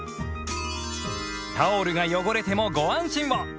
タオルが汚れてもご安心を！